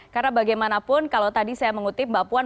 karena bagaimanapun kalau tadi saya mengutip mbak puan